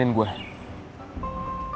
tunggu sebentar republic aja